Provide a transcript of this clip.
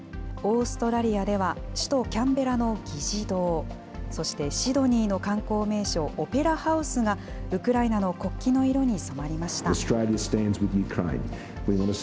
オーストラリアでは、首都キャンベラの議事堂、そしてシドニーの観光名所、オペラハウスが、ウクライナの国旗の色に染まりました。